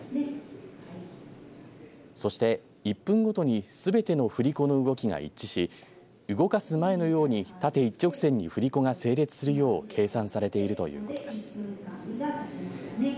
そして１分ごとにすべての振り子の動きが一致し動かす前のように縦一直線に振り子が整列するよう計算されているということです。